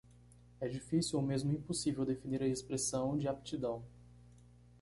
É difícil ou mesmo impossível definir a expressão de aptidão.